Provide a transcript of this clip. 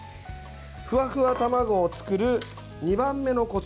ふわふわ卵を作る２番目のコツ。